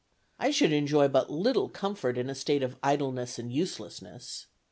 I should enjoy but little comfort in a state of idleness and uselessness.